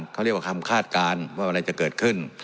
เขาเรียกว่าคำคาดการณ์ว่าอะไรจะเกิดขึ้น